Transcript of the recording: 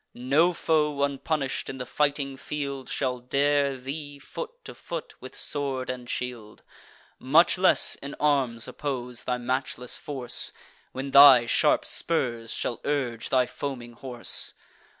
No foe, unpunish'd, in the fighting field Shall dare thee, foot to foot, with sword and shield; Much less in arms oppose thy matchless force, When thy sharp spurs shall urge thy foaming horse.